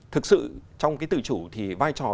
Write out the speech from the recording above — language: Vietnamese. thực sự trong cái tự chủ thì vai trò